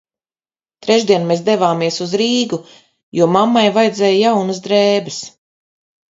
Trešdien mēs devāmies uz Rīgu, jo mammai vajadzēja jaunas drēbes.